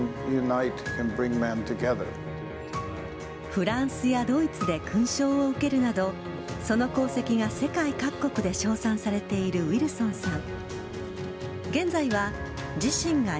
フランスやドイツで勲章を受けるなどその功績が世界各国で賞賛されているウィルソンさん。